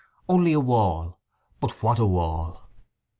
Only a wall—but what a wall!